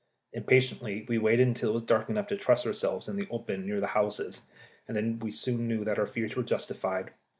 Impatiently we waited until it was dark enough to trust ourselves in the open near the houses, and then we soon knew that our fears were justified.